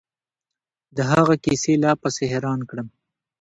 د هغه کيسې لا پسې حيران کړم.